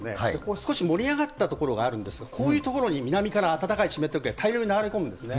少し盛り上がった所があるんですが、こういう所に南から暖かい湿った空気が大量に流れ込むんですね。